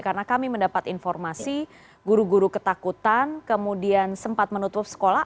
karena kami mendapat informasi guru guru ketakutan kemudian sempat menutup sekolah